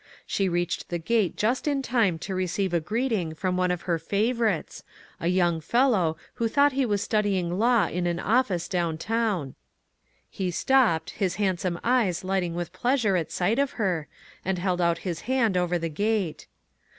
She reached the gate just in time to receive a greeting from one of her favorites, a young fellow, who thought he was studying law in an office down town. He stopped, his handsome eyes lighting with pleasure at sight of her, arid held out his hand over the gate.